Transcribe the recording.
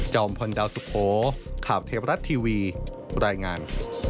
พลดาวสุโขข่าวเทวรัฐทีวีรายงาน